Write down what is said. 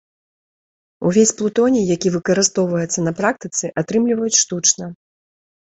Увесь плутоній, які выкарыстоўваецца на практыцы, атрымліваюць штучна.